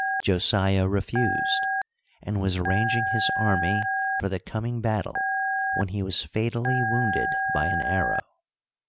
{osia refused, and was arranging his army for the coming attle, when he was fatally wounded by an arrow.